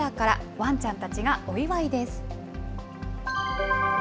ワンちゃんたちがお祝いです。